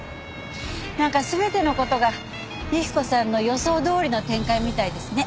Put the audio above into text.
なんか全ての事が雪子さんの予想どおりの展開みたいですね。